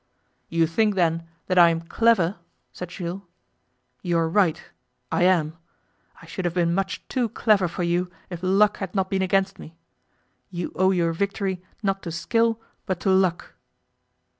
'You think, then, that I am clever?' said Jules. 'You are right. I am. I should have been much too clever for you if luck had not been against me. You owe your victory, not to skill, but to luck.